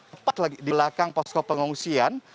tepat lagi di belakang posko pengungsian